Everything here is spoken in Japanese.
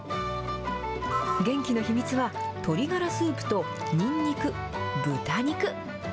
元気の秘密は、鶏がらスープとニンニク、豚肉。